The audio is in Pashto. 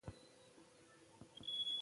ځنګل هوا پاکوي، نو ساتنه یې بایدوشي